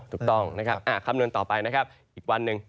ถูกต้องคำนวณต่อไปอีกวันหนึ่ง